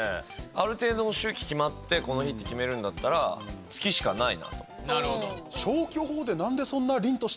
ある程度の周期決まってこの日って決めるんだったら月しかないなと。